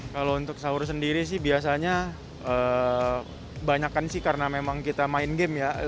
kalau untuk sahur sendiri sih biasanya banyakan sih karena memang kita main game ya